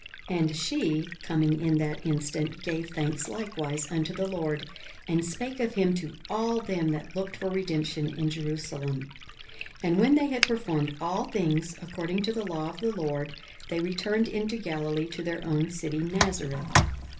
42:002:038 And she coming in that instant gave thanks likewise unto the Lord, and spake of him to all them that looked for redemption in Jerusalem. 42:002:039 And when they had performed all things according to the law of the Lord, they returned into Galilee, to their own city Nazareth.